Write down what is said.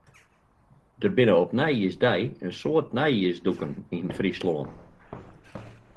Der binne op nijjiersdei in soad nijjiersdûken yn Fryslân.